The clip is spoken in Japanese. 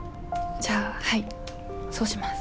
じゃあはいそうします。